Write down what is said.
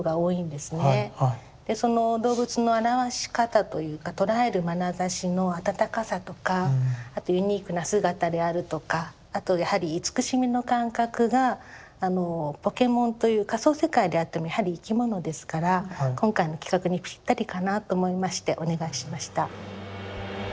でその動物の表し方というか捉えるまなざしの温かさとかあとユニークな姿であるとかあとやはり慈しみの感覚がポケモンという仮想世界であってもやはり生き物ですから今回の企画にぴったりかなと思いましてお願いしました。